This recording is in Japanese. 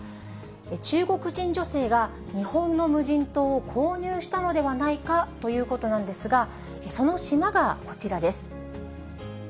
中国人女性が、日本の無人島を購入したのではないかということなんですが、その島がこちらです。